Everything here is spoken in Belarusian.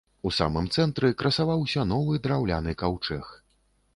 У самым цэнтры красаваўся новы драўляны каўчэг.